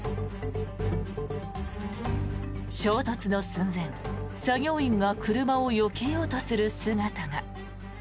衝突の寸前、作業員が車をよけようとする姿が。